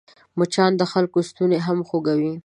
مچان د خلکو ستونی هم خوږوي